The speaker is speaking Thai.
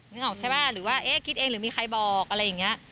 นึกออกใช่ป่ะหรือว่าเอ๊ะคิดเองหรือมีใครบอกอะไรอย่างนี้